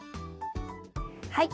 はい。